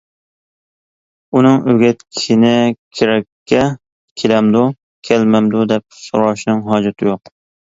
ئۇنىڭ ئۆگەتكىنى كېرەككە كېلەمدۇ-كەلمەمدۇ دەپ سوراشنىڭ ھاجىتى يوق.